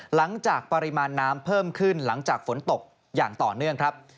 หลังจากปริมาณน้ำเพิ่มขึ้นหลังจากฝนตกอย่างต่อเนื่องครับ